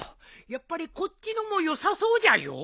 やっぱりこっちのもよさそうじゃよ。